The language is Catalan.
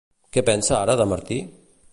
Què pensa ara de Martí?